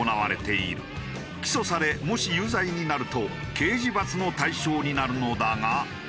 起訴されもし有罪になると刑事罰の対象になるのだが。